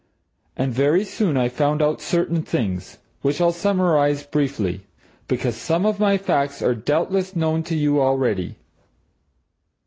And very soon I found out certain things which I'll summarize, briefly, because some of my facts are doubtless known to you already.